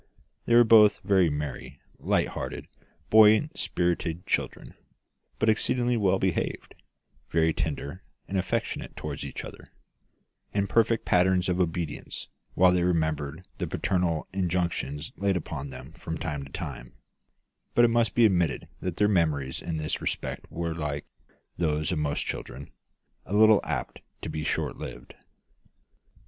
They were both very merry, light hearted, buoyant spirited children, but exceedingly well behaved, very tender and affectionate toward each other; and perfect patterns of obedience while they remembered the parental injunctions laid upon them from time to time; but it must be admitted that their memories in this respect were, like those of most children, a little apt to be short lived.